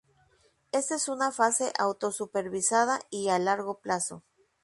Esta es una fase auto-supervisada y a largo plazo.